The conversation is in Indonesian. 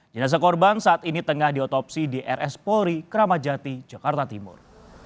jenazah korban saat ini tengah diotopsi di rs polri kramajati jakarta timur